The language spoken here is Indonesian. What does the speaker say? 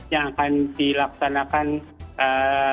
yang akan dilaksanakan balon